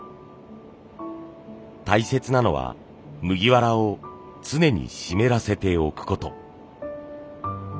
大切なのは麦わらを常に湿らせておくこと。